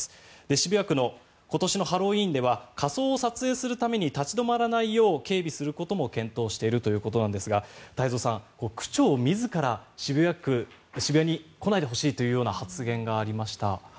渋谷区の今年のハロウィーンでは仮装を撮影するために立ち止まらないよう警備することも検討しているということですが太蔵さん、区長自ら渋谷に来ないでほしいというような発言がありました。